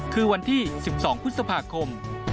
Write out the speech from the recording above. คือวันที่๑๒พฤษภาคม